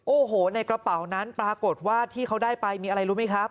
โอ้โหในกระเป๋านั้นปรากฏว่าที่เขาได้ไปมีอะไรรู้ไหมครับ